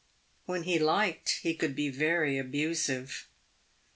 "When he liked, he could be very abusive.